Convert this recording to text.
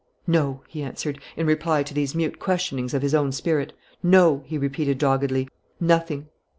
"No!" he answered, in reply to these mute questionings of his own spirit, "no," he repeated doggedly, "nothing."